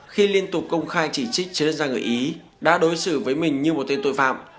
khi liên tục công khai chỉ trích trên đất gia người ý đã đối xử với mình như một tên tội phạm